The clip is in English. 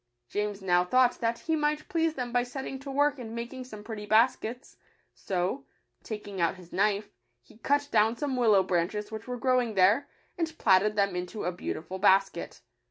James now thought that he might please them by setting to work and making some pretty baskets; so, taking out his knife, he cut down some willow branches which were grow ing there, and platted them into a beautiful basket.